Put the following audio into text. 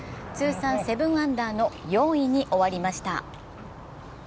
通算７アンダーの４位に終わりました。